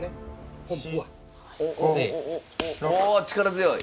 お力強い。